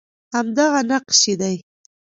همدغه نقش یې دی